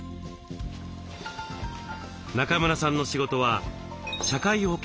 中村さんの仕事は社会保険労務士。